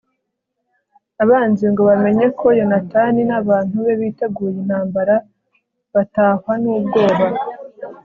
abanzi ngo bamenye ko yonatani n'abantu be biteguye intambara, batahwa n'ubwoba